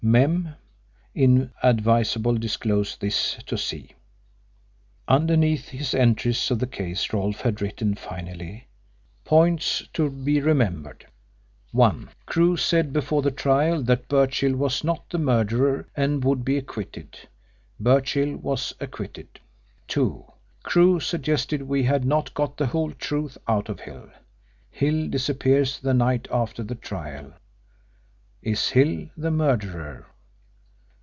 Mem: Inadvisable disclose this to C. Underneath his entries of the case Rolfe had written finally: Points to be remembered: (1) Crewe said before the trial that Birchill was not the murderer and would be acquitted. Birchill was acquitted. (2) Crewe suggested we had not got the whole truth out of Hill. Hill disappears the night after the trial. Is Hill the murderer?